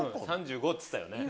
３５っつったよね。